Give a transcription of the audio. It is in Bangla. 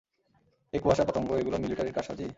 এই কুয়াশা, পতঙ্গ, এগুলো মিলিটারীর কারসাজি?